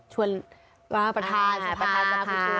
ชวนประธานสภา